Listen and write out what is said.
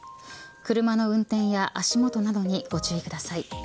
車の運転や足元などにご注意ください。